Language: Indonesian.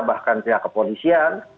bahkan pihak kepolisian